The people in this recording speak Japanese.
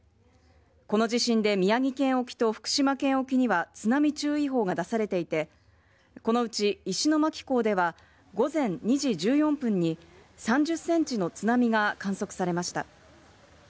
この地震で宮城県沖と福島県沖には津波注意報が出されていてこのうち石巻港では午前２時１４分に３０センチの津波が観測されました。